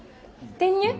転入？